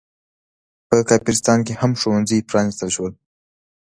په کافرستان کې هم ښوونځي پرانستل شول.